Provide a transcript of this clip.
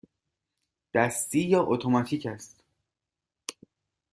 دستی یا اتوماتیک است؟